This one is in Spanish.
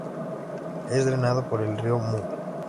Es drenado por el río Mu.